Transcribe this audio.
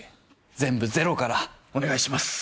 全部ゼロからお願いします。